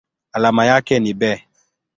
Alama yake ni Be.